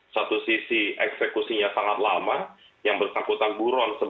satu sisi eksekusinya sangat lama yang bersangkutan buron